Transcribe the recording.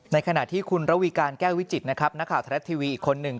ในขณะที่คุณระวีการแก้ววิจิต์ณข่าวธนัสท็อล์แพลต์ทีวีอีกคนหนึ่ง